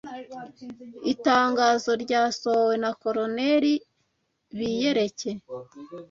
Itangazo ryasohowe na Coloneli Biyereke